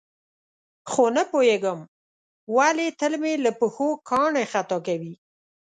خو نه پوهېږم ولې تل مې له پښو کاڼي خطا کوي.